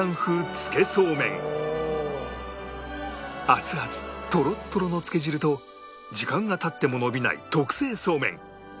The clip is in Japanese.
アツアツとろっとろのつけ汁と時間が経っても伸びない特製そうめん